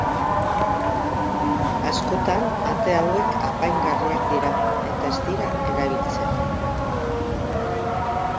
Askotan ate hauek apaingarriak dira eta ez dira erabiltzen.